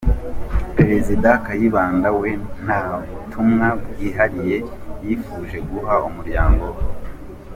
Perezida Kayibanda we, nta butumwa bwihariye yifuje guha umuryango we.